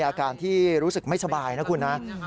อาการที่รู้สึกไม่สบายนะคุณนะ